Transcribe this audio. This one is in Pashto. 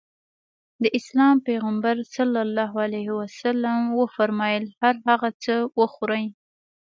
د اسلام پيغمبر ص وفرمايل هر هغه څه وخورې.